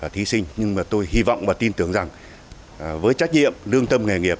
thí sinh nhưng mà tôi hy vọng và tin tưởng rằng với trách nhiệm lương tâm nghề nghiệp